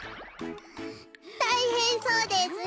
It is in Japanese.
たいへんそうですね。